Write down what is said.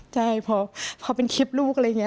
ใช่พอเป็นคลิปลูกอะไรอย่างนี้